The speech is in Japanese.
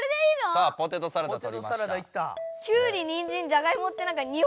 さあポテトサラダとりました。